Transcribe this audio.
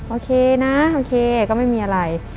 โอเคนะโอเคก็ไม่มีอะไร